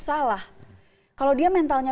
salah kalau dia mentalnya